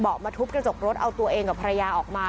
มาทุบกระจกรถเอาตัวเองกับภรรยาออกมา